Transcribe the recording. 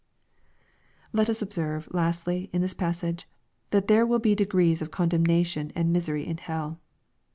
Let us observe, lastly, in this passage, that there will he degrees of condemnation and misery in hell.